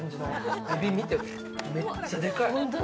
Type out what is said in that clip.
エビ見てこれ、めっちゃでかい。